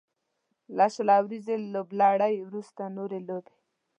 له شل اوريزې لوبلړۍ وروسته نورې لوبې